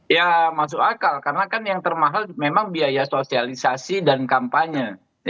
ya masuk akal karena kan yang termahal memang biaya sosialisasi dan kampanye